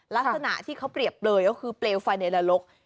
พันธุ์สนาที่เขาเปรียบเบลยคือเปรวไฟในระลก